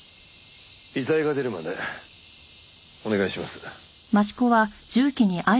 遺体が出るまでお願いします。